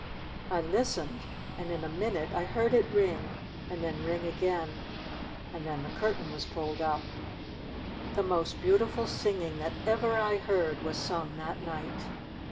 I listened, and in a min ute I heard it ring, and then ring again, and then the curtain was pulled up. The most beautiful singing that ever I heard was sung that night.